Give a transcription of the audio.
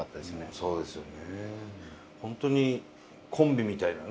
そうですよね。